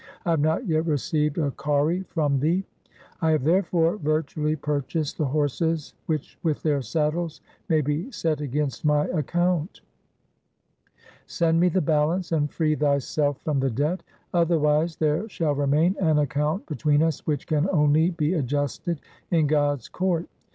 I have not yet received a kauri from thee. I have, therefore, virtually purchased the horses which with their saddles may be set against my account. Send me the balance and free thyself from the debt ; otherwise there shall remain an account between us which can only be adjusted in God's court.